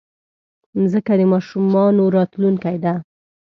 مځکه د ماشومانو راتلونکی ده.